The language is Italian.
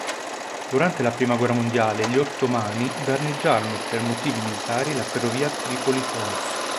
Durante la prima guerra mondiale, gli Ottomani, danneggiarono per motivi militari la ferrovia Tripoli-Homs.